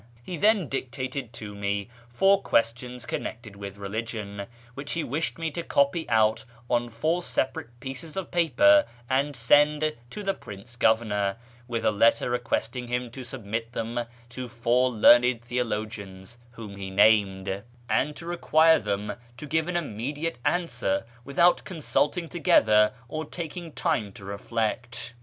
He then dictated to me four questions connected with religion, which he wished me to copy out on four sepa rate pieces of paper, and send to the Prince Governor, with a letter requesting him to submit them to four learned theo logians (whom he named), and to require them to give an immediate answer, without consulting together or taking time to ^reflect.